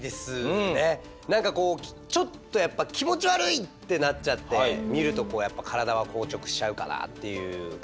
何かこうちょっとやっぱ気持ち悪いってなっちゃって見るとこうやっぱ体は硬直しちゃうかなっていう感じですね。